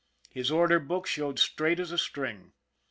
His order book showed straight as a string.